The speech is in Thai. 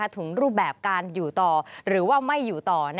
ถึงรูปแบบการอยู่ต่อหรือว่าไม่อยู่ต่อ